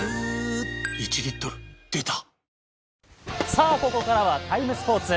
さあ、ここからは「ＴＩＭＥ，スポーツ」